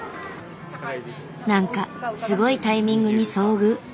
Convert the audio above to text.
何かすごいタイミングに遭遇。